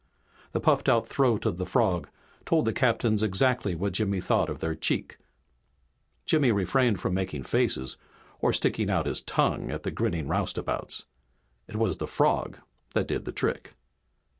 The puffed out throat of the frog told the captains exactly what Jimmy thought of their cheek. Jimmy refrained from making faces, or sticking out his tongue at the grinning roustabouts. It was the frog that did the trick.